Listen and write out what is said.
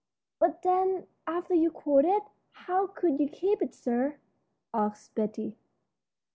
"But then, after you caught it, how could you keep it, sir?" asked Betty.